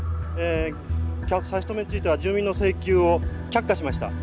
差し止めについては住民の請求を却下しました。